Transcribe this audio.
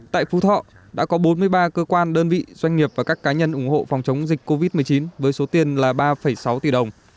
tại phú thọ đã có bốn mươi ba cơ quan đơn vị doanh nghiệp và các cá nhân ủng hộ phòng chống dịch covid một mươi chín với số tiền là ba sáu tỷ đồng